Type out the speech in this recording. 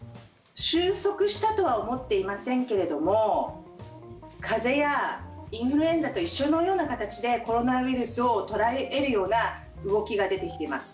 収束したとは思っていませんけれども風邪やインフルエンザと一緒のような形でコロナウイルスを捉え得るような動きが出てきています。